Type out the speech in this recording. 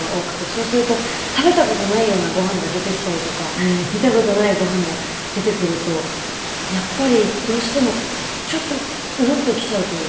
そうすると食べた事ないようなご飯が出てきたりとか見た事ないご飯が出てくるとやっぱりどうしてもちょっとウルッときちゃうというか。